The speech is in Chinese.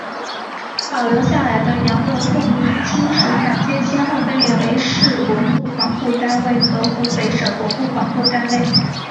保留下来的羊楼洞明清石板街先后被列为市文物保护单位和湖北省文物保护单位。